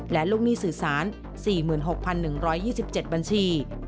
และลูกหนี้สื่อสาร๔๖๑๒๗บัญชี